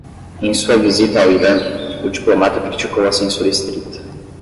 Em sua visita ao Irã, o diplomata criticou a censura estrita.